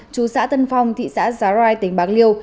chú xã tân phong thị xã giá rai tỉnh bạc liêu